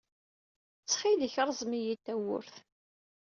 Ttxil-k, rẓem-iyi-d tawwurt.